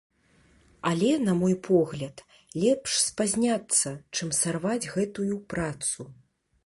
Але, на мой погляд, лепш спазняцца, чым сарваць гэтую працу.